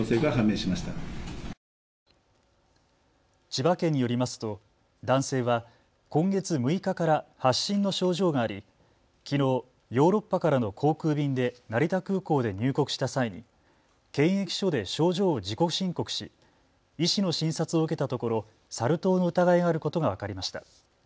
千葉県によりますと男性は今月６日から発疹の症状がありきのうヨーロッパからの航空便で成田空港で入国した際に検疫所で症状を自己申告し医師の診察を受けたところサル痘の疑いがあることが分かりました。